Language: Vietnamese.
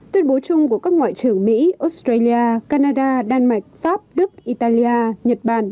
tuyên bố chung của các ngoại trưởng mỹ australia canada đan mạch pháp đức italia nhật bản